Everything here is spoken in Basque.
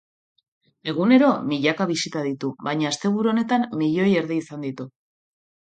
Egunero milaka bisita ditu, baina asteburu honetan milioi erdi izan ditu.